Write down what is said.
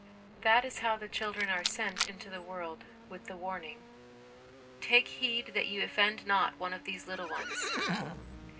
That is how the children are sent into the world with the warning, " Take heed that ye offend not one of these little ones."